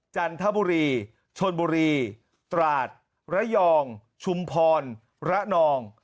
จันทบุรีชนบุรีตราดระยองชุมพรระนอง